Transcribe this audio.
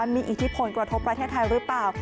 มีอิทธิพลกระทบประเทศไทยหรือเปล่า